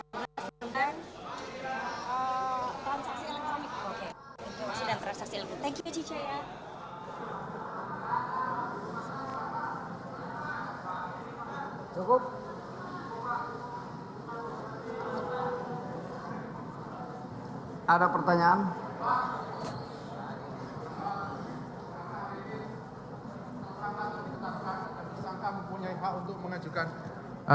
hari ini tersangka sudah ditetapkan dan tersangka mempunyai hak untuk mengajukan